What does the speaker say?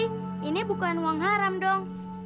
ini bukan uang haram dong